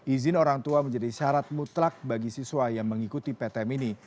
izin orang tua menjadi syarat mutlak bagi siswa yang mengikuti ptm ini